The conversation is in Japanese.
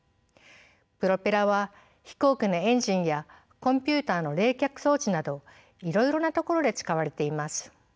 プロペラは飛行機のエンジンやコンピューターの冷却装置などいろいろなところで使われています。